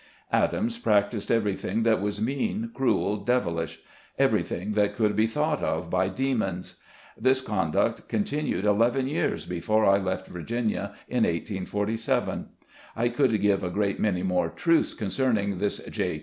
Adams practised everything that was mean, cruel, devilish, everything that could be thought of by demons. This conduct continued eleven years before I left Virginia, in 1847. I could give a great many more truths concerning this J.